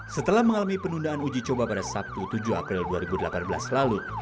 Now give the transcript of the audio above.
setelah mengalami penundaan uji coba pada sabtu tujuh april dua ribu delapan belas lalu